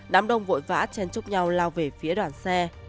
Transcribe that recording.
đám đông vội vã chen chúc nhau lao về phía đoàn xe